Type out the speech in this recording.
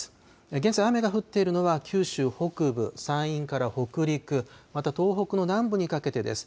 現在、雨が降っているのは九州北部、山陰から北陸、また、東北の南部にかけてです。